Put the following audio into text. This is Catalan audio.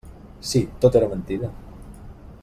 Sí; tot era mentida.